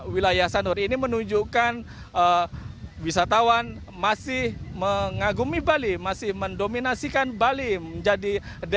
wilayah sanur ini menunjukkan wisatawan masih mengagumi bali masih mendominasikan bali menjadi